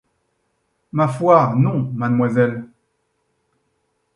Ma foi, non, mademoiselle !